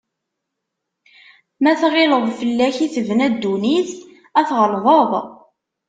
Ma tɣileḍ fell-ak i tebna dunnit, a tɣelḍeḍ.